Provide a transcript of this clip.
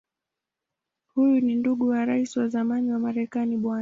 Huyu ni ndugu wa Rais wa zamani wa Marekani Bw.